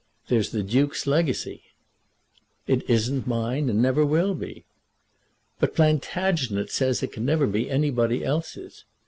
There's the Duke's legacy." "It isn't mine, and never will be." "But Plantagenet says it never can be anybody else's.